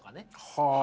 はあ。